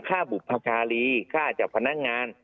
ฆ่าปุปการีฆ่าจับพนักงาน